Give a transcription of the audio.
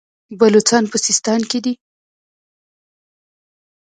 بلوڅان په سیستان کې دي.